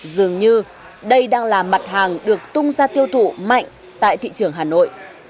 dường như đây đang là mặt hàng được tung ra tiêu thụ mạnh tại thị trường hà nội